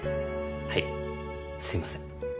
はいすいません。